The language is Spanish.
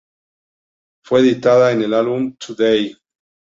Fue editada en el álbum "Today!